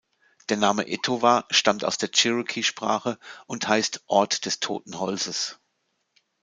Der Name "Etowah" stammt aus der Cherokee-Sprache und heißt „Ort des toten Holzes“.